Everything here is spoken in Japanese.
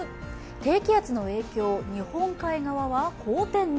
低気圧の影響、日本海側は荒天に。